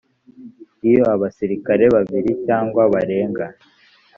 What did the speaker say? iyo abasirikare babiri cyangwa barenga